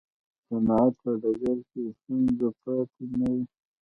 د صنعت په ډګر کې ستونزه پاتې نه وي.